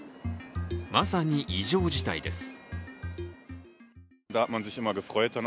まさに異常事態です。